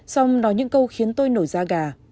xong nói những câu khiến tôi nổi da gà